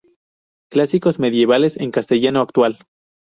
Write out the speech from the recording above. Clásicos medievales en castellano actual.